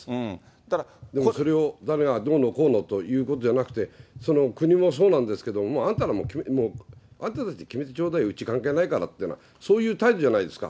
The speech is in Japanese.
だからそれを誰がどうのこうのと言うことじゃなくて、その国もそうなんですけど、あんたらがもう、あなたたち決めてちょうだいよ、うち関係ないからっていう、そういう態度じゃないですか。